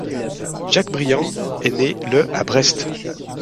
Jacques Briend est né le à Brest.